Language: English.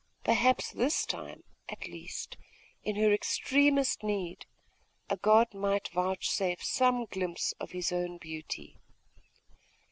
Perhaps this time, at least, in her extremest need, a god might vouchsafe some glimpse of his own beauty